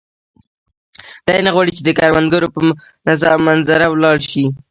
دی نه غواړي چې د کروندګرو په منظره ولاړ شي.